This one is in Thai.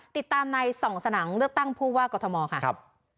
ติดตามใน๒สนังเลือกตั้งผู้ว่ากรทมค่ะ